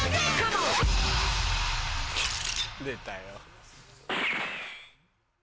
出たよ。